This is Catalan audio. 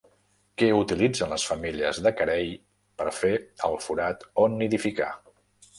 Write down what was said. Què utilitzen les femelles de carei per fer el forat on nidificar?